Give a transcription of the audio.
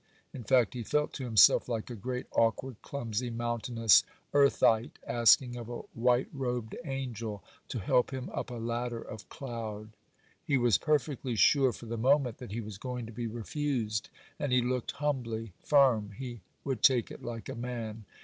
In fact, he felt to himself like a great awkward, clumsy, mountainous earthite asking of a white robed angel to help him up a ladder of cloud. He was perfectly sure for the moment that he was going to be refused, and he looked humbly firm—he would take it like a man.